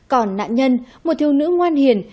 còn nạn nhân một thiêu nữ ngoan hiền